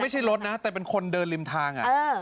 ไม่ใช่รถนะแต่เป็นคนเดินริมทาง